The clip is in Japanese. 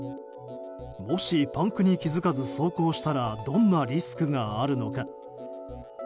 もしパンクに気づかず走行したらどんなリスクがあるのか。